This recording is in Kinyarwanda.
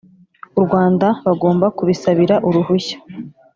u rwanda bagomba kubisabira uruhushya